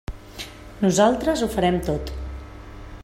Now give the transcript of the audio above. Nosaltres ho farem tot.